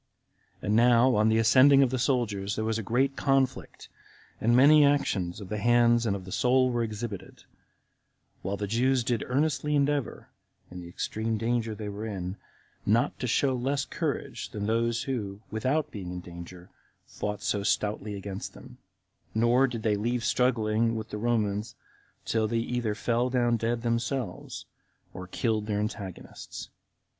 And now, on the ascending of the soldiers, there was a great conflict, and many actions of the hands and of the soul were exhibited; while the Jews did earnestly endeavor, in the extreme danger they were in, not to show less courage than those who, without being in danger, fought so stoutly against them; nor did they leave struggling with the Romans till they either fell down dead themselves, or killed their antagonists.